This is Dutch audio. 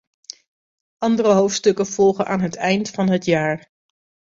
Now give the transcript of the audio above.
Andere hoofdstukken volgen aan het eind van het jaar.